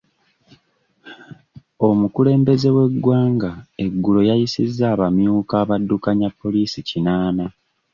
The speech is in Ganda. Omukulembeze w'egwanga egulo yayisizza abamyuka abaddukanya poliisi kinaana .